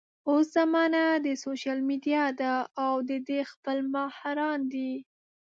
اوس زمانه د سوشل ميډيا ده او د دې خپل ماهران دي